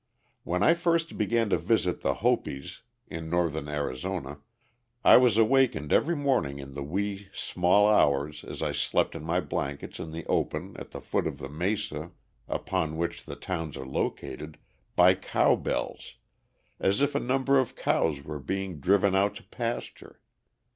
When I first began to visit the Hopis, in northern Arizona, I was awakened every morning in the wee sma' hours, as I slept in my blankets in the open at the foot of the mesa upon which the towns are located, by cow bells, as if a number of cows were being driven out to pasture.